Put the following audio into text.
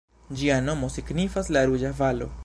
Ĝia nomo signifas "La Ruĝa Valo".